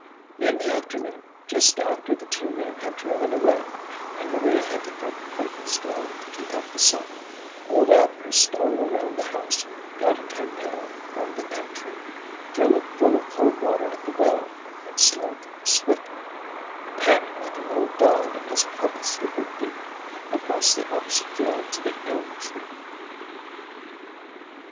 In the afternoon, just after the two men had driven away, and Maria had the front curtains drawn to keep out the sun, old Abner stole around the house, got a tin pail from the pantry, drew it full of cold water at the well, and slunk swiftly, padding like an old dog in his carpet slippered feet, across the opposite field to the elm tree.